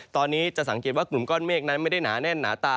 ตอนนี้จะสังเกตว่ากลุ่มก้อนเมฆนั้นไม่ได้หนาแน่นหนาตา